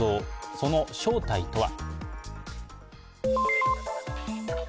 その正体とは。